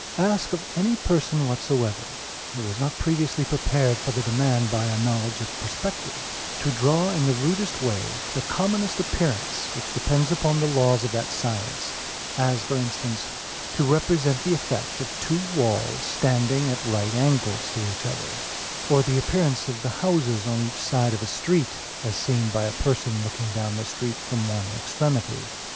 Ask of any person whatsoever, who is not previously prepared for the demand by a knowledge of perspective, to draw in the rudest way the commonest appearance which depends upon the laws of that science; as for instance, to represent the effect of two walls standing at right angles to each other, or the appearance of the houses on each side of a street, as seen by a person looking down the street from one extremity.